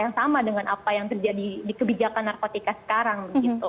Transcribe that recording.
yang sama dengan apa yang terjadi di kebijakan narkotika sekarang